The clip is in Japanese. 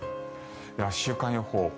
では、週間予報。